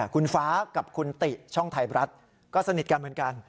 คุณฟ้ากับคุณติช่องไทยรัฐก็สนิทกันเหมือนกัน